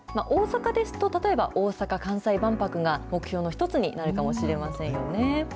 大阪ですと、例えば、大阪・関西万博が目標の一つになるかもしれませんよね。